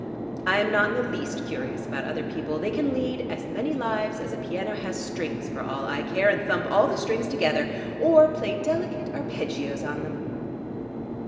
I am not in the least curious about other people: they can lead as many lives as a piano has strings for all I care, and thump all the strings together, or play delicate arpeggios on them.